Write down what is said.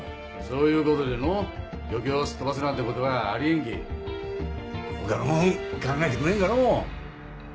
そういうことでの漁協をすっ飛ばすなんてことはあり得んけぇ他のもん考えてくれんかの。